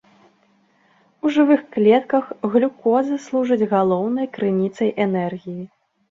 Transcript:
У жывых клетках глюкоза служыць галоўнай крыніцай энергіі.